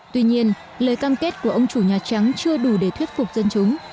tuy nhiên lời cam kết của ông chủ nhà trắng chưa đủ để thuyết phục dân chúng